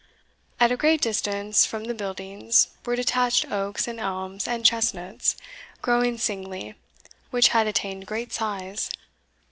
At a greater distance from the buildings were detached oaks and elms and chestnuts, growing singly, which had attained great size.